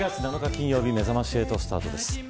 金曜日めざまし８スタートです。